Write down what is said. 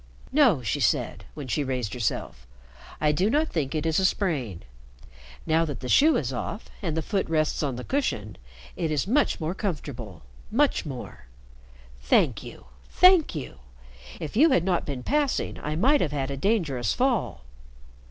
"No," she said, when she raised herself, "I do not think it is a sprain. Now that the shoe is off and the foot rests on the cushion, it is much more comfortable, much more. Thank you, thank you. If you had not been passing I might have had a dangerous fall."